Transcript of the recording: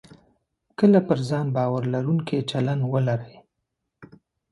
کله پر ځان باور لرونکی چلند لرئ